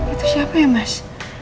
itu siapa ya mas